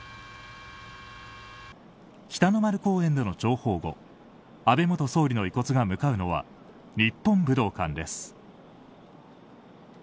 北の丸公園での弔砲後安倍元総理の遺骨が向かうのは日本武道館です。